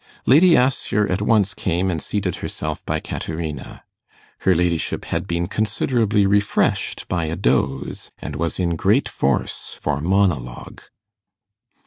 Lady Assher at once came and seated herself by Caterina. Her ladyship had been considerably refreshed by a doze, and was in great force for monologue.